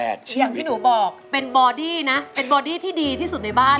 อย่างที่หนูบอกเป็นบอดี้นะเป็นบอดี้ที่ดีที่สุดในบ้าน